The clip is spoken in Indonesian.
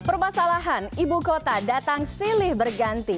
permasalahan ibu kota datang silih berganti